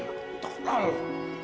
dasar anak tol